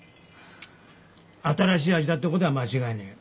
新しい味だってことは間違いねえ。